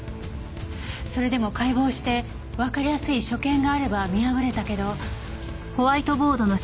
それでも解剖してわかりやすい所見があれば見破れたけど。